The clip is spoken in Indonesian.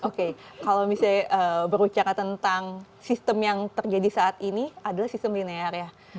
oke kalau misalnya berbicara tentang sistem yang terjadi saat ini adalah sistem linear ya